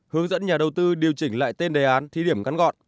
hướng dẫn nhà đầu tư điều chỉnh lại tên đề án thí điểm gắn gọn